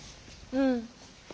うん。